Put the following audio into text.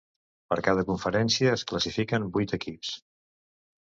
Per cada conferència es classifiquen vuit equips.